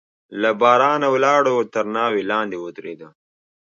له بارانه لاړو، تر ناوې لاندې ودرېدو.